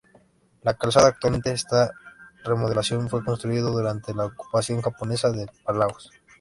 La calzada, actualmente esta remodelación, fue construido durante la ocupación japonesa de Palaos.